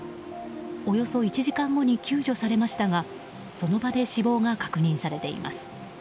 およそ１時間後に救助されましたがその場で死亡が確認されています。